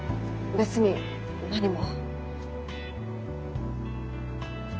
別に何も。